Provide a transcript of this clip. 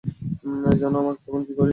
জানো আমরা তখন কী করি?